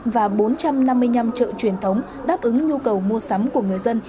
và bốn trăm năm mươi năm chợ truyền thống đáp ứng nhu cầu mua sắm của người dân